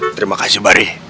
terima kasih bari